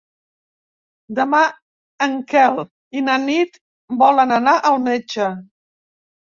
Demà en Quel i na Nit volen anar al metge.